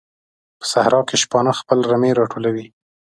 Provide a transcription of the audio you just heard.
په صحراء کې شپانه خپل رمې راټولوي.